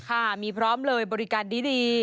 ค่ะมีพร้อมเลยบริการดี